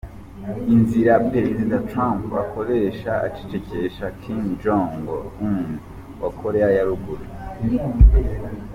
Inzira Perezida Trump akoresha acecekesha Kim Jong Un wa Koreya ya Ruguru